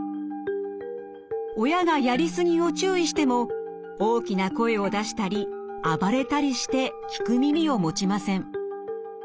親がやり過ぎを注意しても大きな声を出したり暴れたりして聞く耳を持ちません。